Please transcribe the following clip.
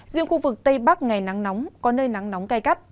riêng khu vực tây bắc ngày nắng nóng có nơi nắng nóng cay gắt